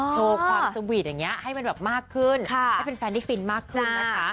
โชว์ความสวีทอย่างนี้ให้มันแบบมากขึ้นให้แฟนได้ฟินมากขึ้นนะคะ